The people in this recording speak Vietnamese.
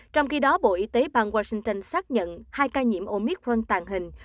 trong khi đó bộ y tế bang washington xác nhận hai ca nhiễm omicron tàn hình